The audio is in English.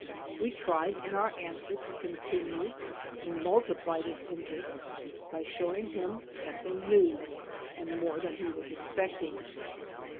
We tried in our answer to continue and multiply this interest by showing him something new, and more than he was expect ing.